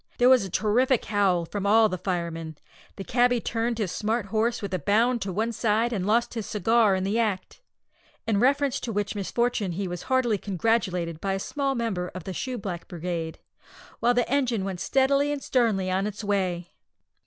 There was a terrific howl from all the firemen; the cabby turned his smart horse with a bound to one side, and lost his cigar in the act in reference to which misfortune he was heartily congratulated by a small member of the Shoe black Brigade, while the engine went steadily and sternly on its way.